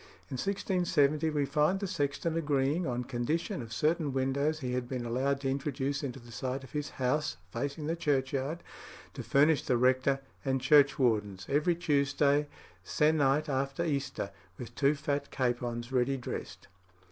In 1670 we find the sexton agreeing, on condition of certain windows he had been allowed to introduce into the side of his house, facing the churchyard, to furnish the rector and churchwardens, every Tuesday se'nnight after Easter, with two fat capons ready dressed.